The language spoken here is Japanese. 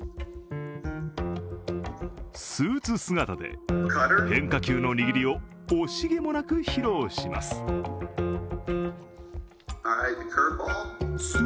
スーツ姿で変化球の握りを惜しげもなく披露します。